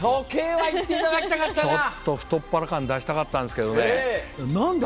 ちょっと太っ腹感出したかったんすけどね。